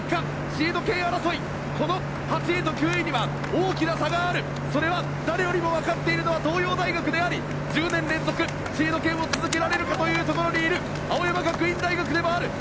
シード権争い、８位と９位には大きな差があるそれは誰よりも分かっているのは東洋大学であり１０年連続シード権を続けられるかというところにいる青山学院大学でもある。